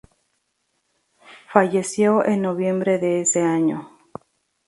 Falleció en noviembre de ese año.